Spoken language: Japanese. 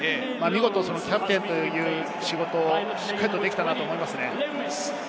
見事キャプテンという仕事をしっかりできたと思いますね。